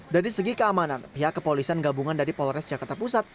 dari segi keamanan pihak kepolisian gabungan dari polres jakarta pusat